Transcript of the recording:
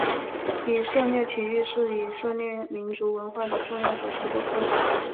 以色列体育是以色列民族文化的重要组成部分。